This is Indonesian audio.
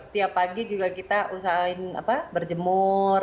tiap pagi juga kita usahain berjemur